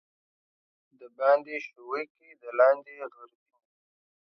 دباندي ښويکى، د لاندي غربينى.